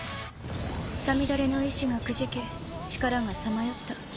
さみだれの意思がくじけ力がさまよった。